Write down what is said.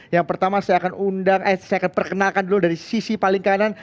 yang pertama saya akan perkenalkan dulu dari sisi paling kanan